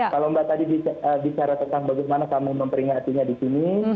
kalau mbak tadi bicara tentang bagaimana kami memperingatinya di sini